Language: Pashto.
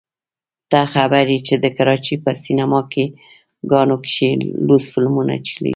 ته خبر يې چې د کراچۍ په سينما ګانو کښې لوڅ فلمونه چلېږي.